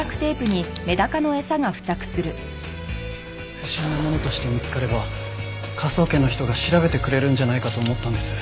不審なものとして見つかれば科捜研の人が調べてくれるんじゃないかと思ったんです。